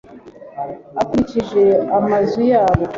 akurikije amazu yabo